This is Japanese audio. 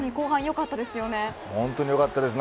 本当によかったです。